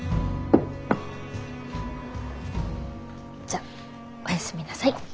じゃお休みなさい。